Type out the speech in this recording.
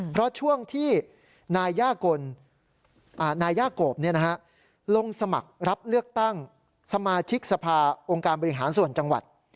เพราะช่วงที่นายย่าโกบลงสมัครรับเลือกตั้งสมาชิกสภาองค์การบริหารส่วนจังหวัด